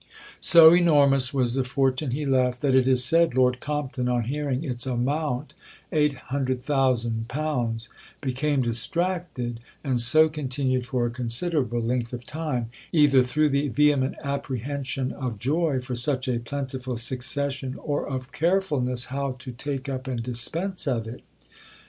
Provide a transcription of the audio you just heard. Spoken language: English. So enormous was the fortune he left, that it is said Lord Compton, on hearing its amount (£800,000) "became distracted, and so continued for a considerable length of time, either through the vehement apprehension of joy for such a plentiful succession, or of carefulness how to take up and dispense of it."